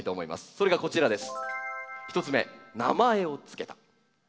それがこちらです。